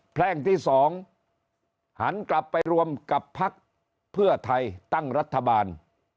แพร่งที่๒หันกลับไปรวมกับพักเพื่อไทยตั้งรัฐบาล